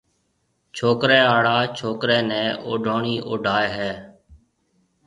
ڇوڪرَي آݪا ڇوڪرَي نيَ اوڊوڻِي اوڊائيَ ھيَََ